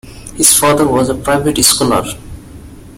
His father was a private scholar.